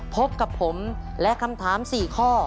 พบกับผมและคำถาม๔ข้อ